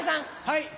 はい。